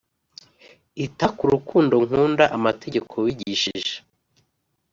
Ita ku rukundo nkunda amategeko wigishije